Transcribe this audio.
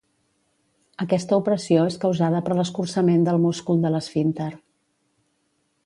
Aquesta opressió és causada per l'escurçament del múscul de l'esfínter.